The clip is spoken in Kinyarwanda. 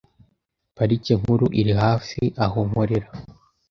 Parike Nkuru iri hafi aho nkorera .